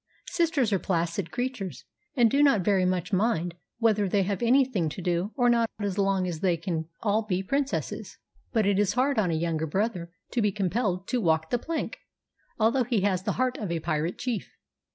Sisters are placid creatures and do not very much mind whether they have anything to do or not as long as they can all be princesses, but it is hard on a younger brother to be com pelled to walk the plank, although he has the heart of a pirate chief.